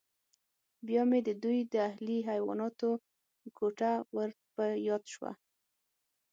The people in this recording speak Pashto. بیا مې د دوی د اهلي حیواناتو کوټه ور په یاد شوه